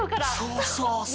そうそうそう！